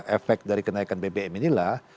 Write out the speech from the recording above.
efek dari kenaikan bbm inilah